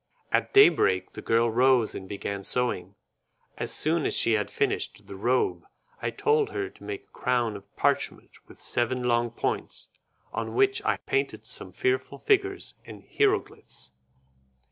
At day break the girl rose and began sewing. As soon as she had finished the robe, I told her to make a crown of parchment with seven long points, on which I painted some fearful figures and hieroglyphs.